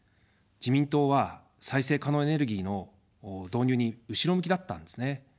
自民党は再生可能エネルギーの導入に後ろ向きだったんですね。